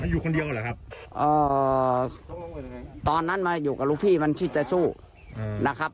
อยู่คนเดียวเหรอครับตอนนั้นมาอยู่กับลูกพี่มันคิดจะสู้นะครับ